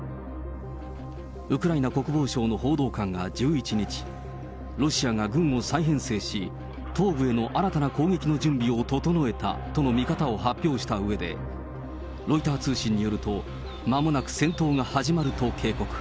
ウクライナ国防省の報道官が１１日、ロシアが軍を再編成し、東部への新たな攻撃の準備を整えたとの見方を発表したうえで、ロイター通信によると、まもなく戦闘が始まると警告。